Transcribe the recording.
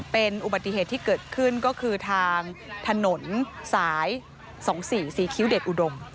เป็นอุบัติเหตุที่เกิดขึ้นก็คือทางถนนสาย๒๔สีคิ้วเดชอุดม